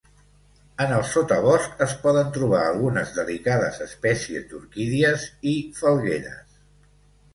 En el sotabosc es poden trobar algunes delicades espècies d'orquídies, i falgueres.